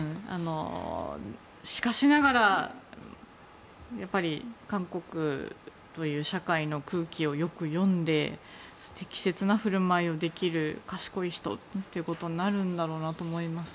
しかしながら韓国という社会の空気をよく読んで、適切な振る舞いができる賢い人なんだろうなと思います。